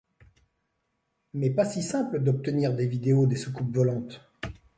Mais, pas si simple d’obtenir des vidéos des soucoupes volantes...